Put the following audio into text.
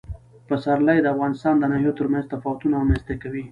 پسرلی د افغانستان د ناحیو ترمنځ تفاوتونه رامنځ ته کوي.